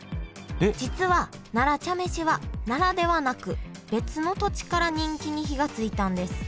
実は奈良茶飯は奈良ではなく別の土地から人気に火がついたんです。